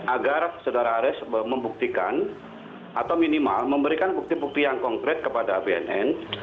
agar saudara aris membuktikan atau minimal memberikan bukti bukti yang konkret kepada bnn